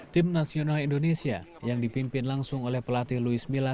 tim nasional indonesia yang dipimpin langsung oleh pelatih luis mila